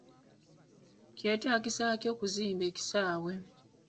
Kyetaagisa ki okuzimba ekisaawe?